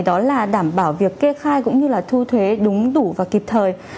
đó là đảm bảo việc kê khai cũng như là thu thuế đúng đủ và kịp thời